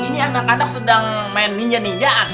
ini anak anak sedang main ninja ninjaan